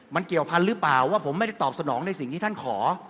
มันเกี่ยวพันธุ์หรือเปล่าว่าผมไม่ได้ตอบสนองในสิ่งที่ท่านขอ